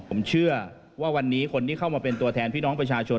ผมเชื่อว่าวันนี้คนที่เข้ามาเป็นตัวแทนพี่น้องประชาชน